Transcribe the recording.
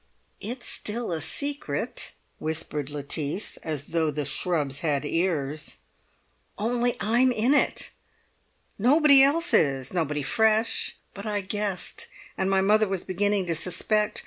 "It's still a secret," whispered Lettice, as though the shrubs had ears, "only I'm in it. Nobody else is—nobody fresh—but I guessed, and my mother was beginning to suspect.